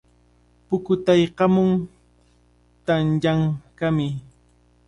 Pukutaykaamun, tamyanqami.